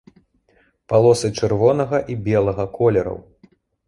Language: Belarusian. Палосы чырвонага і белага колераў.